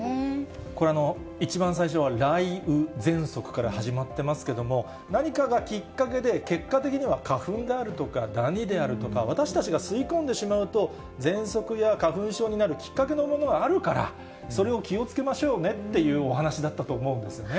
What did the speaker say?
これ、一番最初は雷雨ぜんそくから始まってますけども、何かがきっかけで、結果的には花粉があるとか、ダニであるとか、私たちが吸い込んでしまうと、ぜんそくや花粉症になるきっかけのものがあるから、それを気をつけましょうねっていうお話だったと思うんですよね。